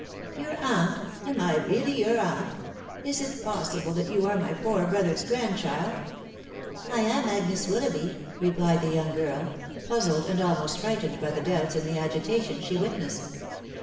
" Your aunt ?.... am I really your aunt ?.... Is it possible that you are my poor brother's grandchild?" " I am Agnes Willoughby," replied the young girl, puzzled and almost frightened by the doubts and the agitation she witnessed.